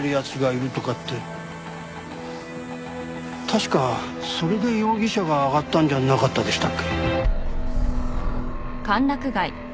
確かそれで容疑者が挙がったんじゃなかったでしたっけ？